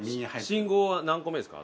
信号は何個目ですか？